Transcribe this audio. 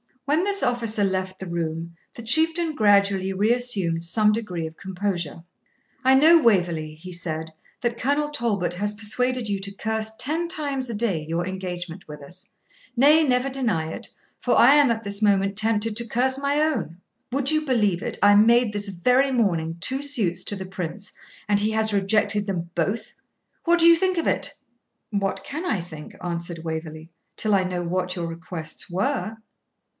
When this officer left the room, the Chieftain gradually reassumed some degree of composure. 'I know, Waverley,' he said, 'that Colonel Talbot has persuaded you to curse ten times a day your engagement with us; nay, never deny it, for I am at this moment tempted to curse my own. Would you believe it, I made this very morning two suits to the Prince, and he has rejected them both; what do you think of it?' 'What can I think,' answered Waverley, 'till I know what your requests were?'